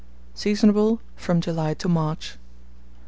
Seasonable from July to March.